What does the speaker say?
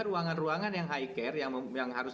ruangan ruangan yang high care yang harus